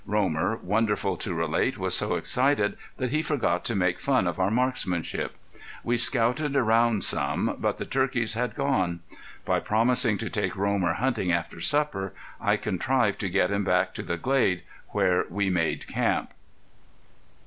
Romer, wonderful to relate, was so excited that he forgot to make fun of our marksmanship. We scouted around some, but the turkeys had gone. By promising to take Romer hunting after supper I contrived to get him back to the glade, where we made camp.